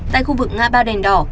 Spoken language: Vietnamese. tại khu vực ngã ba đèn đỏ